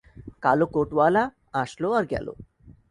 কালো কোট ওয়ালা, আসলো, আর গেলো।